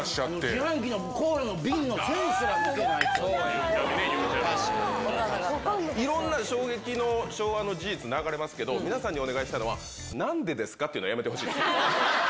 自販機のコーラの瓶の栓すらいろんな衝撃の昭和の事実流れますけれども、皆さんにお願いしたいのは、なんでですかっていうのやめてほしい。